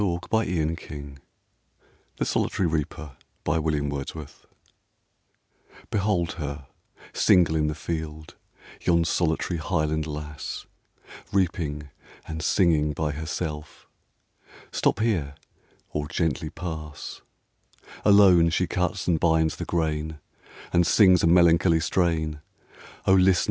Ralph Hodgxan M27] RAINBOW GOLD THE SOLITARY REAPER BEHOLD her, single in the field, Yon solitary Highland Lass! Reaping and singing by herself; Stop here, or gently pass! Alone she cuts and binds the grain, And sings a melancholy strain; O listen